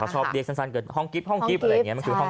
เขาชอบเรียกสั้นสั้นเกิดห้องห้องอะไรอย่างเงี้ยมันคือห้อง